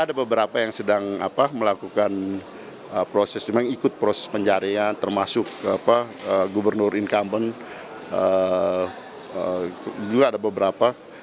area termasuk gubernur incumbent juga ada beberapa